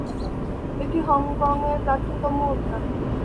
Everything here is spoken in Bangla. এটি হংকংয়ের প্রাচীনতম উদ্যান।